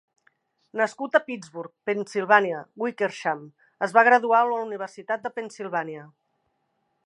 Nascut a Pittsburgh, Pennsilvània, Wickersham es va graduar a la Universitat de Pennsilvània.